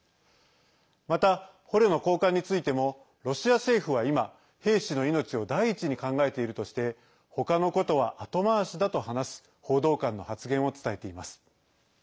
また、捕虜の交換についてもロシア政府は今、兵士の命を第一に考えているとしてほかのことは後回しだと話す報道官の発言を伝えています。